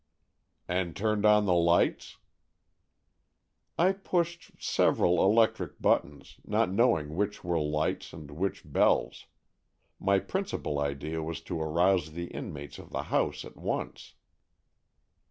"And turned on the lights?" "I pushed several electric buttons, not knowing which were lights and which bells; my principal idea was to arouse the inmates of the house at once."